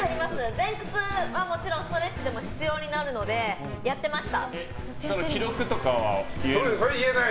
前屈はもちろんストレッチでも必要になるので記録とかは言えるの？